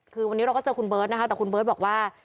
คือวันนี้เราก็เจอคุณเบิร์ตนะคะแต่คุณเบิร์ตบอกว่า